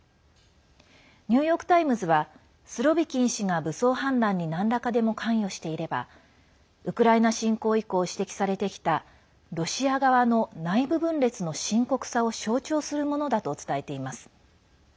ニューヨーク・タイムズはスロビキン氏が武装反乱になんらかでも関与していればウクライナ侵攻以降指摘されてきたロシア側の内部分裂の深刻さを象徴するものだと伝えています。